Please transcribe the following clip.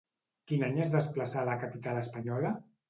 Quin any es desplaçà a la capital espanyola?